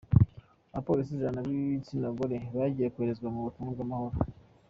Abapolisi ijana b’igitsina gore bagiye koherezwa mu butumwa bw’amahoro